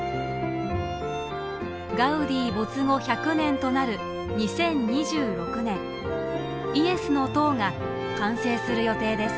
ガウディ没後１００年となる２０２６年イエスの塔が完成する予定です。